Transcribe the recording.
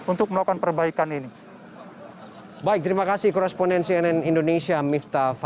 untuk melakukan perbaikan ini